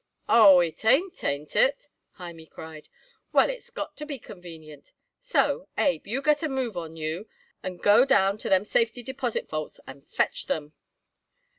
"Oh, it ain't, ain't it?" Hymie cried. "Well, it's got to be convenient; so, Abe, you get a move on you and go down to them safety deposit vaults and fetch them."